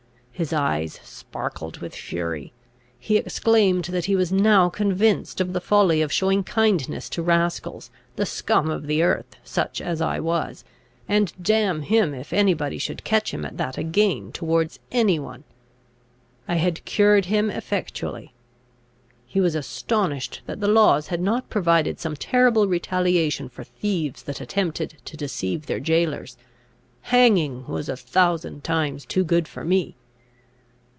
His eyes sparkled with fury; he exclaimed, that he was now convinced of the folly of showing kindness to rascals, the scum of the earth, such as I was; and, damn him, if any body should catch him at that again towards any one. I had cured him effectually! He was astonished that the laws had not provided some terrible retaliation for thieves that attempted to deceive their jailors. Hanging was a thousand times too good for me!